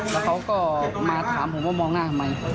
แล้วเขาก็มาถามผมว่ามองหน้าทำไม